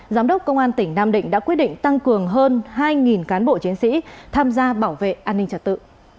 giám đốc công an tỉnh nam định đã quyết định tăng cường hơn hai cán bộ chiến sĩ tham gia bảo vệ an ninh trật tự